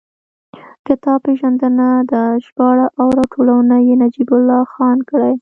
کتاب پېژندنه ده، ژباړه او راټولونه یې نجیب الله خان کړې.